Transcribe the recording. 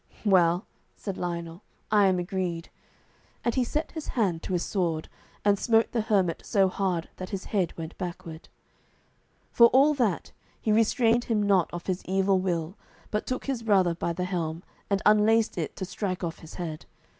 "Well," said Lionel, "I am agreed"; and he set his hand to his sword, and smote the hermit so hard that his head went backward. For all that, he restrained him not of his evil will, but took his brother by the helm, and unlaced it to strike off his head.